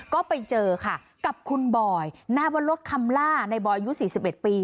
ก็ไปเจอกับคุณบอยนาวรสคำล่าในบอยยุทธ์๔๑ปี